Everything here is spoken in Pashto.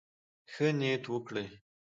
ښه نيت وکړئ.